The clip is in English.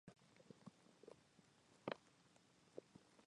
Its full range has not yet been fully established.